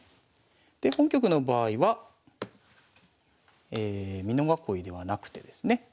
で本局の場合は美濃囲いではなくてですね。